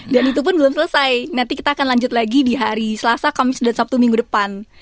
dan itu pun belum selesai nanti kita akan lanjut lagi di hari selasa kamis dan sabtu minggu depan